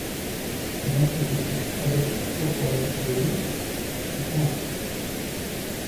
L'institutrice allergique aux poils de loutre s'attend au pire.